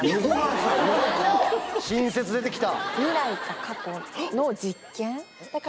新説出て来た。